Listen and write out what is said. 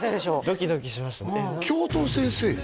ドキドキしました教頭先生に？